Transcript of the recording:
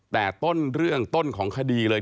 แต่ต้นเรื่องต้นของคดีเลย